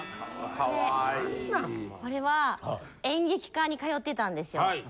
・カワイイ・これは演劇科に通ってたんですよ。